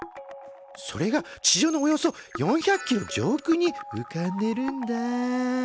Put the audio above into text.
それが地上のおよそ４００ｋｍ上空にうかんでるんだ。